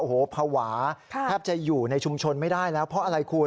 โอ้โหภาวะแทบจะอยู่ในชุมชนไม่ได้แล้วเพราะอะไรคุณ